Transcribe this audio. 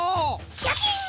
シャキン！